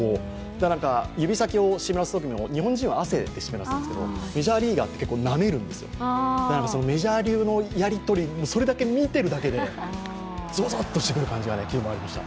指先を湿らすときも、日本人は汗で湿らすんですけど、メジャーリーガーってなめるんですがメジャー流のやり取りを見ているだけで、ぞくぞくっとしてくる感じがありました。